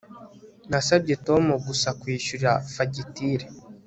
Nasabye Tom gusa kwishyura fagitire